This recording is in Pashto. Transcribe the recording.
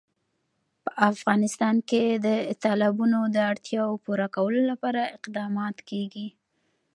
په افغانستان کې د تالابونه د اړتیاوو پوره کولو لپاره اقدامات کېږي.